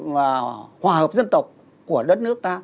và hòa hợp dân tộc của đất nước ta